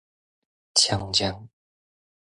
強強